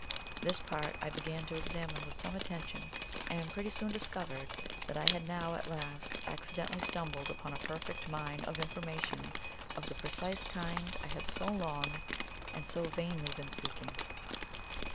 This part I began to examine with some attention, and pretty soon discovered that I had now at last accidentally stumbled upon a perfect mine of information of the precise kind I had so long and so vainly been seeking.